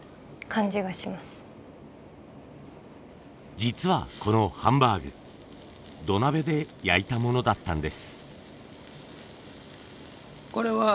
実はこのハンバーグ土鍋で焼いたものだったんです。